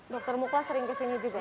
locor theres sering kesini juga